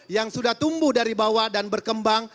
yang sudah tumbuh dari bawah dan berkembang